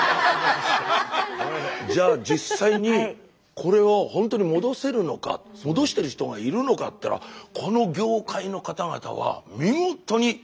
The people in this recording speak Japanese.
じゃあ実際にこれをほんとに戻せるのか戻してる人がいるのかっていったらこの業界の方々は見事に戻しているんですよ。